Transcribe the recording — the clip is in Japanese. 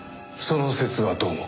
その節はどうも。